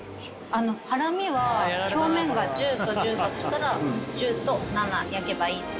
ハラミは表面が１０と１０だとしたら１０と７焼けばいい。